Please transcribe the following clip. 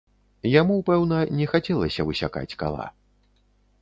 Яму, пэўна, не хацелася высякаць кала.